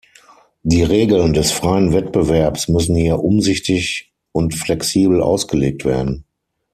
Die Regeln des freien Wettbewerbs müssen hier umsichtig und flexibel ausgelegt werden.